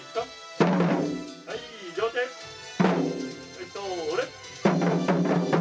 はいそーれ。